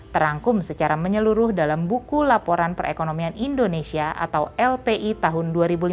terangkum secara menyeluruh dalam buku laporan perekonomian indonesia atau lpi tahun dua ribu lima belas